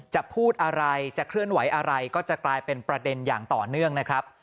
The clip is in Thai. จะพูดอะไรจะเคลื่อนไหวอะไรก็จะกลายเป็นประเด็นอย่างต่อเนื่องนะครับ